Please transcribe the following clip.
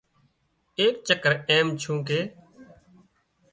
ايڪ چڪر ايم ڇُون ڪي